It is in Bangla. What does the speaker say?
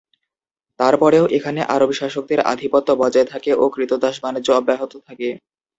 তারপরেও এখানে আরব শাসকদের আধিপত্য বজায় থাকে ও ক্রীতদাস বাণিজ্য অব্যাহত থাকে।